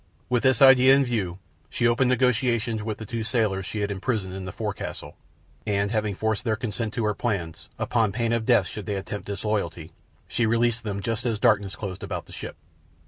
With this idea in view she opened negotiations with the two sailors she had imprisoned in the forecastle, and having forced their consent to her plans, upon pain of death should they attempt disloyalty, she released them just as darkness closed about the ship.